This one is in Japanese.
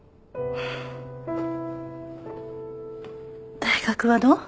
大学はどう？